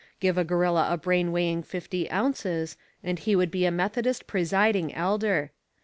Give a gorilla a brain weighing fifty ounces, and he would be a Methodist Presiding Elder.